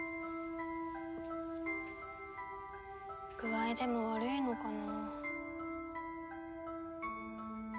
具合でも悪いのかな。